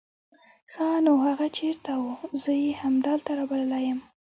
ښا نو هغه چېرته وو؟ زه يې همدلته رابللی يم.